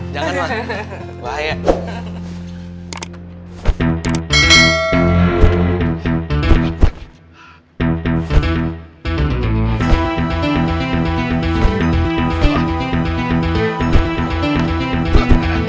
jangan ma bahaya